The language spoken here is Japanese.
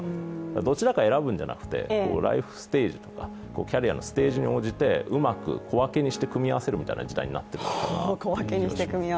どちらかを選ぶのではなくて、ライフステージ、キャリアのステージに応じて、小分けにして組み合わせるみたいな時代になっているのかなと思います。